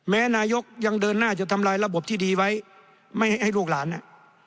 นายกยังเดินหน้าจะทำลายระบบที่ดีไว้ไม่ให้ลูกหลานอ่ะ